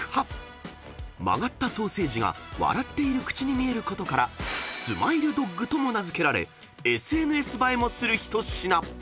［曲がったソーセージが笑っている口に見えることからスマイルドッグとも名付けられＳＮＳ映えもする一品］